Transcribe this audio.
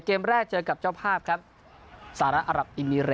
เกมแรกเจอกับเจ้าครับ